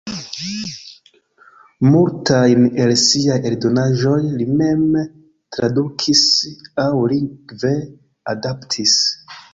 Multajn el siaj eldonaĵoj li mem tradukis aŭ lingve adaptis.